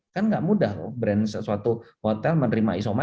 kan gak mudah loh brand sesuatu hotel menerima isoman